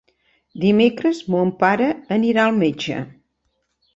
Dimecres mon pare anirà al metge.